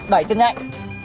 đẩy thật nhanh